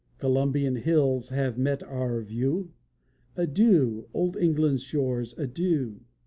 Columbian hills have met our view! Adieu! Old England's shores, adieu!